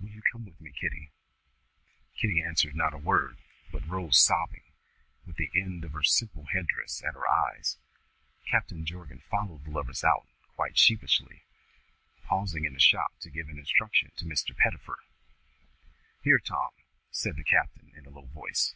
Will you come with me, Kitty?" Kitty answered not a word, but rose sobbing, with the end of her simple head dress at her eyes. Captain Jorgan followed the lovers out, quite sheepishly, pausing in the shop to give an instruction to Mr. Pettifer. "Here, Tom!" said the captain, in a low voice.